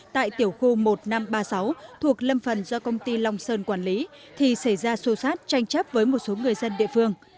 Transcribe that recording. tại tiểu khu một nghìn năm trăm ba mươi sáu thuộc lâm phần do công ty long sơn quản lý thì xảy ra xô xát tranh chấp với một số người dân địa phương